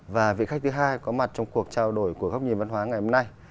và vị khách thứ hai có mặt trong cuộc trao đổi của góc nhìn văn hóa ngày hôm nay